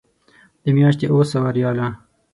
د میاشتې اوه سوه ریاله.